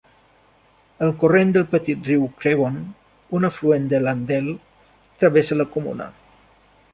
El corrent del petit riu Crevon, un afluent de l'Andelle, travessa la comuna.